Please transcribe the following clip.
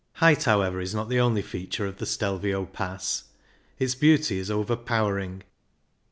Height, however, is not the only feature of the Stelvio Pass ; its beauty is over powering.